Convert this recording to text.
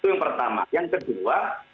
itu yang pertama yang kedua